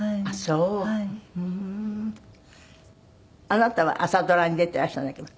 あなたは朝ドラに出てらしたんだけど。